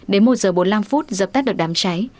đến một giờ bốn mươi năm phút dập tắt được đám cháy